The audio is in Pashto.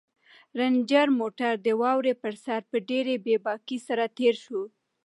رنجر موټر د واورې پر سر په ډېرې بې باکۍ سره تېر شو.